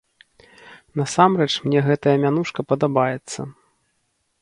Насамрэч мне гэтая мянушка падабаецца.